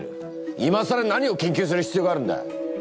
今更何を研究する必要があるんだ！